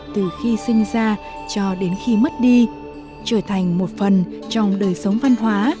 từ khi sinh ra cho đến khi mất đi trở thành một phần trong đời sống văn hóa